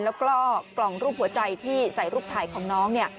แล้วก็กล่องรูปหัวใจที่ใส่รูปถ่ายของน้องเนี่ย